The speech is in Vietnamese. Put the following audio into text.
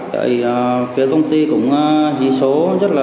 thì phía công ty cũng di số rất là cao nên còn bị áp lực